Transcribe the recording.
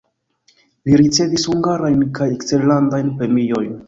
Li ricevis hungarajn kaj eksterlandajn premiojn.